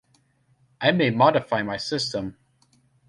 I may modify my system